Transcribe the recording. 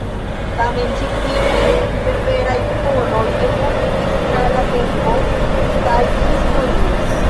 Tamen ĉi tiuj berberaj popoloj evoluis tra la tempo kaj historio.